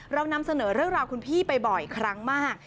เรานำเสนอเรื่องราวคุณพี่ไปบ่อยครั้งมาก